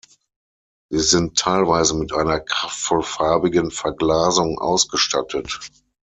Sie sind teilweise mit einer kraftvoll farbigen Verglasung ausgestattet.